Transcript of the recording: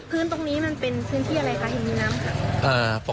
พื้นตรงนี้มันเป็นพื้นที่อะไรคะเหมือนมีน้ำครับ